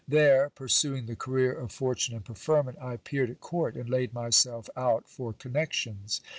There, pursuing the career of fortune and preferment, I appeared at court, and laid myself out for connections.